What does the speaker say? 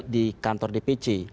di kantor dpc